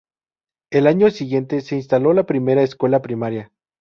El año siguiente se instaló la primera escuela primaria.